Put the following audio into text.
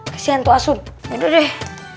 kesian tuh asyik udah deh